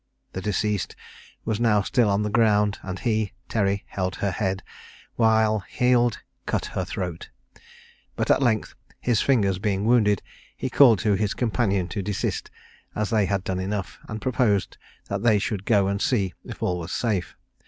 The deceased was now still on the ground, and he (Terry) held her head, while Heald cut her throat; but at length his fingers being wounded, he called to his companion to desist, as they had done enough, and proposed that they should go and see if all was safe.